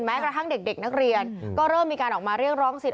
กระทั่งเด็กนักเรียนก็เริ่มมีการออกมาเรียกร้องสิทธ